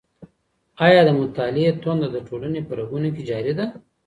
آيا د مطالعې تنده د ټولني په رګونو کي جاري ده؟